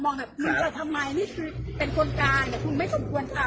มึงจะทำไมนี่คือเป็นคนการมึงไม่สมควรทำ